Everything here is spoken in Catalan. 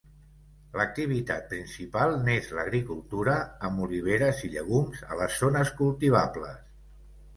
L'activitat principal n'és l'agricultura, amb oliveres i llegums a les zones cultivables.